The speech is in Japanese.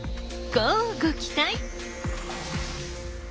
乞うご期待！